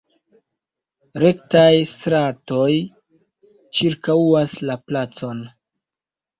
Rektaj stratoj ĉirkaŭas la placon.